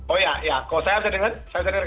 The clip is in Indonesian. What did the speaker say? oh ya kalau saya bisa denger